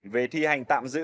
về thi hành tạm giữ